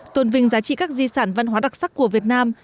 tôn vinh giá trị các di sản văn hóa đặc sắc của việt nam